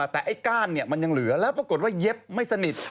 แต่ไอ้ก้านมันยังเหลือแล้วปรากฏว่าเย็บไม่สนิท